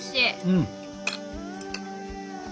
うん。